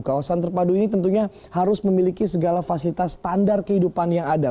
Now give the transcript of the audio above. kawasan terpadu ini tentunya harus memiliki segala fasilitas standar kehidupan yang ada